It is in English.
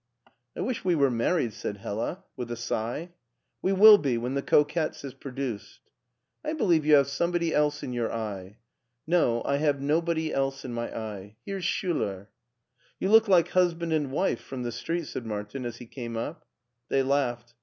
I wish we were married," said Hdla with a sigh. We will be when the ' Coquettes ' is produced." " I believe you have somebody else in your eye." "No, I have nobody else in my eye. Here's Schtiler." " You look like husband and wife from the street," said Martin as he came up. They laughed.